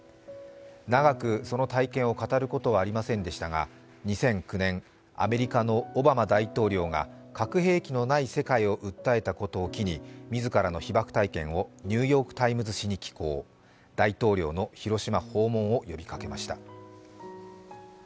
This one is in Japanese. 長く、その体験を語ることはありませんでしたが、２００９年、アメリカのオバマ大統領が核兵器のない世界を訴えたことを機に自らの被爆体験を「ニューヨーク・タイムズ」紙に寄稿大統領の広島訪問を呼びかけました。